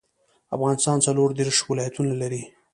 افغانستان څلوردیش ولایتونه لري.